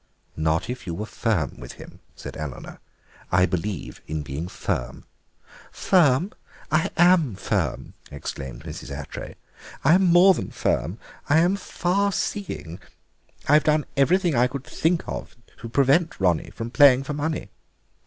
"Not if you were firm with him," said Eleanor "I believe in being firm." "Firm? I am firm," exclaimed Mrs. Attray; "I am more than firm—I am farseeing. I've done everything I can think of to prevent Ronnie from playing for money.